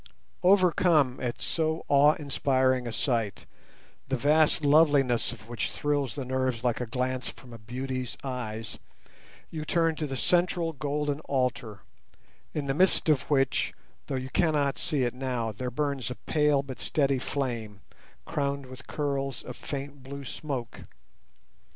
Overcome at so awe inspiring a sight, the vast loveliness of which thrills the nerves like a glance from beauty's eyes, you turn to the central golden altar, in the midst of which, though you cannot see it now, there burns a pale but steady flame crowned with curls of faint blue smoke.